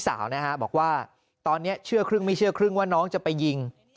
สาวนะฮะบอกว่าตอนนี้เชื่อครึ่งไม่เชื่อครึ่งว่าน้องจะไปยิง